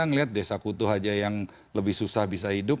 ngelihat desa kutuh aja yang lebih susah bisa hidup